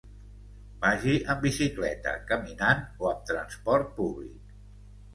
Vagi amb bicicleta, caminant o amb transport públic.